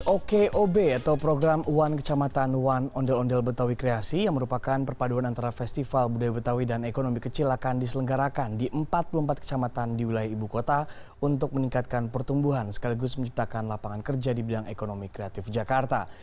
okob atau program one kecamatan one ondel ondel betawi kreasi yang merupakan perpaduan antara festival budaya betawi dan ekonomi kecil akan diselenggarakan di empat puluh empat kecamatan di wilayah ibu kota untuk meningkatkan pertumbuhan sekaligus menciptakan lapangan kerja di bidang ekonomi kreatif jakarta